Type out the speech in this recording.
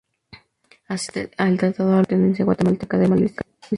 Así, el tratado alude a la pertenencia guatemalteca de Belice.